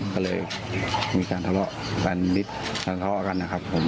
ก็เลยมีการทะเลาะกันนิดทะเลาะกันนะครับผม